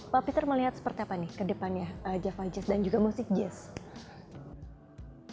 pak peter melihat seperti apa nih ke depannya java jazz dan juga musik jazz